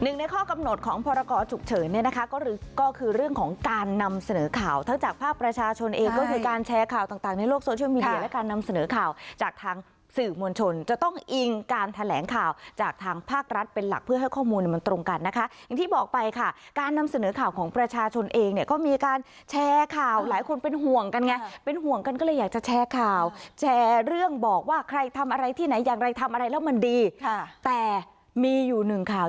๑ในข้อกำหนดของพรกอฉุกเฉยเนี่ยนะคะก็คือเรื่องของการนำเสนอข่าวทั้งจากภาพประชาชนเองก็คือการแชร์ข่าวต่างในโลกโซเชียลมีเดียและการนำเสนอข่าวจากทางสื่อมวลชนจะต้องอิงการแถลงข่าวจากทางภาครัฐเป็นหลักเพื่อให้ข้อมูลมันตรงกันนะคะอย่างที่บอกไปค่ะการนำเสนอข่าวของประชาชนเองเนี่ยก็มีการ